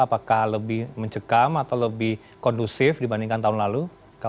apakah lebih mencekam atau lebih kondusif dibandingkan tahun lalu